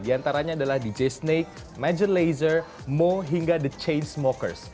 di antaranya adalah dj snake major lazer moe hingga the change smokers